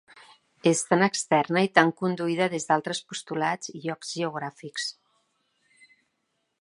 És tan externa i tan conduïda des d’altres postulats i llocs geogràfics.